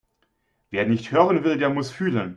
Wer nicht hören will, der muss fühlen.